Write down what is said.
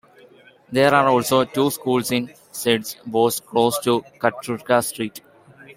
There are also two schools in Siedlce, both close to Kartuska Street.